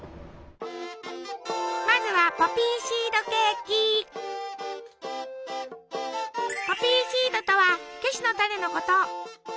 まずはポピーシードとはケシの種のこと。